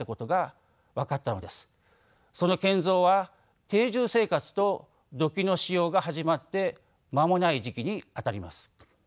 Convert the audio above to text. その建造は定住生活と土器の使用が始まって間もない時期にあたります。